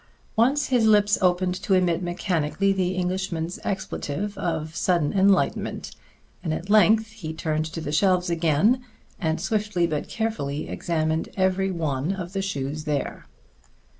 Once his lips opened to emit mechanically the Englishman's expletive of sudden enlightenment. At length he turned to the shelves again, and swiftly but carefully examined every one of the shoes there.